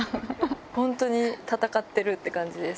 本当に闘ってるって感じです。